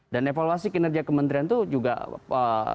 dan evaluasi kinerja kementrian itu juga terkait dengan kinerja kementrian